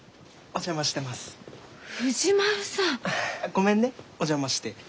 ごめんねお邪魔して。